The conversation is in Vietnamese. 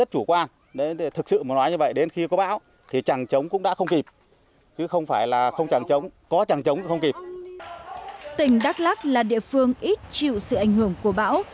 tỉnh đắk lắc là địa phương ít chịu sự ảnh hưởng của bão